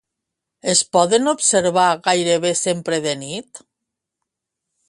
Els podem observar gairebé sempre de nit?